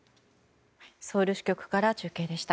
ソウル支局から中継でした。